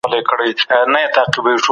کمپيوټر پلانونه جوړوي.